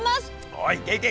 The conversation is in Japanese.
おいけいけ。